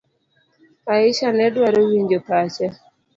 Aisha nedwaro winjo pache.